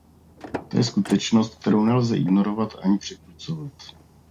To je skutečnost, kterou nelze ignorovat ani překrucovat.